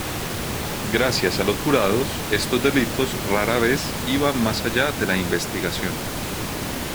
Gracias a los jurados, estos delitos rara vez iban más allá de la investigación.